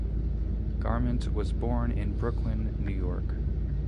Garment was born in Brooklyn, New York.